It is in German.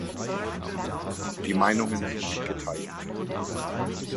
Die Meinungen sind geteilt.